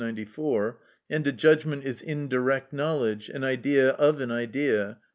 94), and a judgment is indirect knowledge, an idea of an idea (p.